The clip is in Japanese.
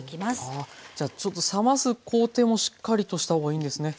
ああじゃあちょっと冷ます工程もしっかりとした方がいいんですね。